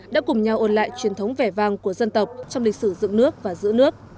đã cùng nhau ôn lại truyền thống vẻ vang của dân tộc trong lịch sử dựng nước và giữ nước